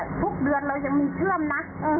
ทุกทีทุกเดือนเรายังมีเชื่อมนะ